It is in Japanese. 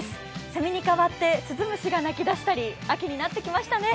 せみにかわって鈴虫が鳴き出したり、秋になってきましたね。